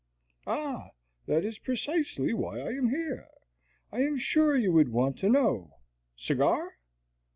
"Ah, that is precisely why I am here. I was sure you would want to know Cigar?